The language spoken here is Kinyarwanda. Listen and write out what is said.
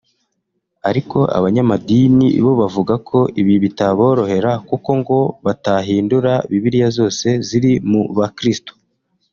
ariko abanyamadini bo bavuga ko ibi bitaborohera kuko ngo batahindura Bibiliya zose ziri mu bakristo